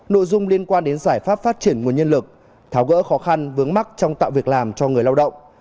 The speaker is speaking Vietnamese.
nội dung liên quan đến giải pháp phát triển nguồn nhân lực tháo gỡ khó khăn vướng mắt trong tạo việc làm cho người lao động